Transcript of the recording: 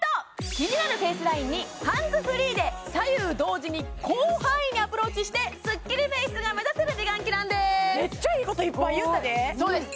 気になるフェイスラインにハンズフリーで左右同時に広範囲にアプローチしてスッキリフェイスが目指せる美顔器なんですメッチャいいこといっぱい言うたです